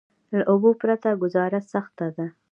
له اوبو پرته ګذاره سخته ده.